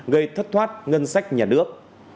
gây thất thoát ngân sách nhà nước